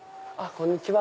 こんにちは。